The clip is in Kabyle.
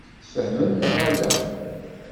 Tfehmem neɣ ala?